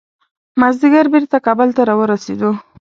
مازدیګر بیرته کابل ته راورسېدو.